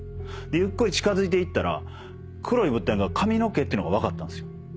ゆっくり近づいていったら黒い物体が髪の毛っていうのが分かったんすよ。